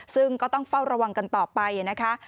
ซึ่งก็ต้องเฝ้าระวังกันต่อไปนะคะ